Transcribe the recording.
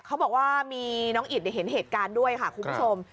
เขาบอกว่ามีน้องอิดเห็นเหตุการณ์ด้วยค่ะคุณผู้ชม